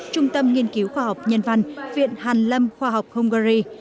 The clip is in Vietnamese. trung tâm nghiên cứu khoa học nhân văn viện hàn lâm khoa học hungary